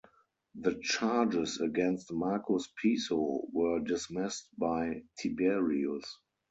The charges against Marcus Piso were dismissed by Tiberius.